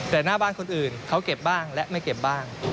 แต่หน้าบ้านคนอื่นเขาเก็บบ้างและไม่เก็บบ้าง